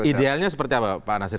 idealnya seperti apa pak nasir